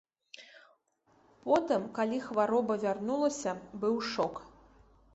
Потым, калі хвароба вярнулася, быў шок.